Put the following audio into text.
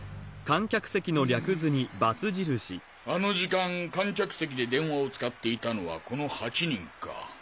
うむあの時間観客席で電話を使っていたのはこの８人か。